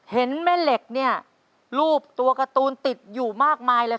เห็นแม่เหล็กเนี่ยรูปตัวการ์ตูนติดอยู่มากมายเลย